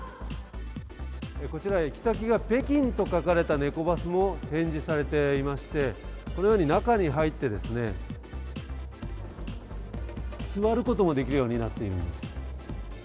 こちら、行き先が北京と書かれたネコバスも展示されていまして、このように、中に入って、座ることもできるようになっているんです。